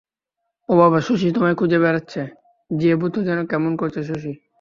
ও বাবা শশী তোমায় খুঁজে বেড়াচ্ছি যে ভুতো যেন কেমন করছে শশী।